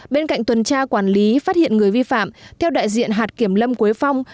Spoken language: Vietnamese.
bên cạnh tuần tra quản lý phát hiện người vi phạm theo đại diện hạt kiểm lâm quế phong